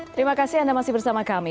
terima kasih anda masih bersama kami